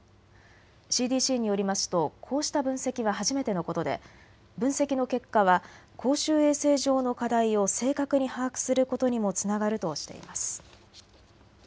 ＣＤＣによりますとこうした分析は初めてのことで分析の結果は公衆衛生上の課題を正確に把握することにもつながるとしています。